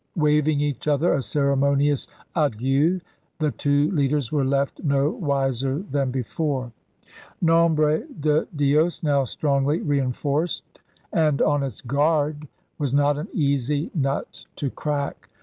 Waving each other a ceremonious adieu the two leaders were left no wiser than before. Nombre de Dios, now strongly reinforced and on its guard, was not an easy nut to crack.